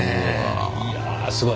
いやすごい！